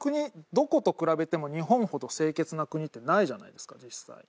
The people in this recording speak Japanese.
どこと比べても日本ほど清潔な国ってないじゃないですか実際。